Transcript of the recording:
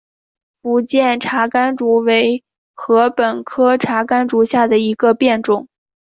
福建茶竿竹为禾本科茶秆竹属下的一个变种。